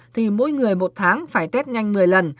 thì mỗi người một tháng phải tết nhanh một mươi lần